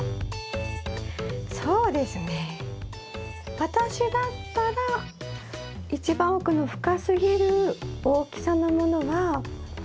そうですね私だったら一番奥の深すぎる大きさのものは。